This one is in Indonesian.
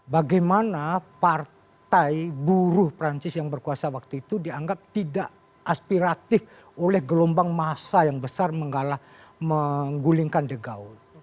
bagaimana partai buruh prancis yang berkuasa waktu itu dianggap tidak aspiratif oleh gelombang massa yang besar menggulingkan de gaulle